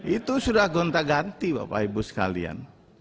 itu sudah gonta ganti bapak ibu sekalian